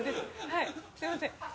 はいすみません。